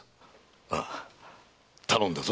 ああ頼んだぞ！